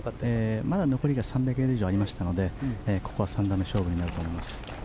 まだ残りが３００ヤード以上ありましたのでここは３打目勝負になると思います。